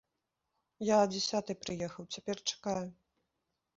Я а дзясятай прыехаў, цяпер чакаю.